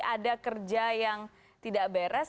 ada kerja yang tidak beres